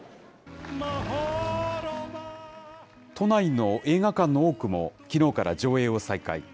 都内の映画館の多くも、きのうから上映を再開。